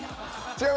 違う。